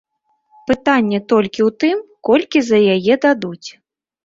Пытанне толькі ў тым, колькі за яе дадуць.